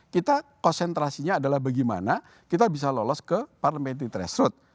kita konsentrasinya adalah bagaimana kita bisa lolos ke parliamentary threshold